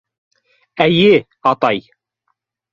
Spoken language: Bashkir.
— Эйе, атай.